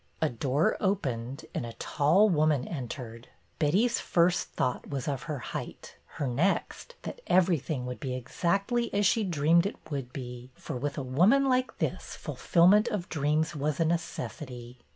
A door opened and a tall woman entered. Betty's first thought was of her height; her next, that everything would be exactly as she dreamed it would be, for with a woman like this fulfil ment of dreams was a necessity.